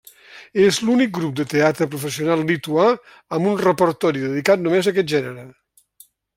És l'únic grup de teatre professional lituà amb un repertori dedicat només a aquest gènere.